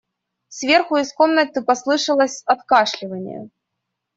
Сверху из комнаты послышалось откашливание.